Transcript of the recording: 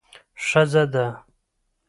ښځه ده.